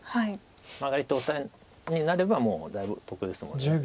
マガリとオサエになればもうだいぶ得ですもんね。